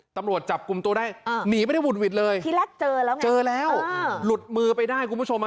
ตำรวจจับกุมตัวได้หนีไปได้บุดบิดเลยพี่ล่ะเจอรักเจอแล้วหลุดมือไปได้คุณผู้ชม